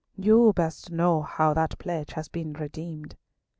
You best know how that pledge has been redeemed."